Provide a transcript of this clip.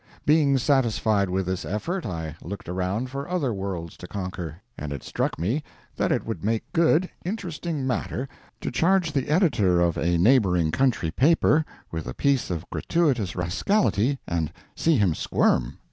Being satisfied with this effort I looked around for other worlds to conquer, and it struck me that it would make good, interesting matter to charge the editor of a neighboring country paper with a piece of gratuitous rascality and "see him squirm."